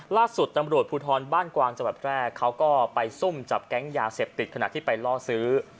ล่าสุดตำรวจภูทรบ้านกวางจังหวัดแพร่เขาก็ไปซุ่มจับแก๊งยาเสพติดขณะที่ไปล่อซื้อ